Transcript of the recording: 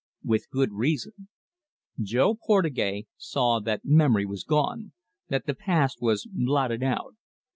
With good reason. Jo Portugais saw that memory was gone; that the past was blotted out.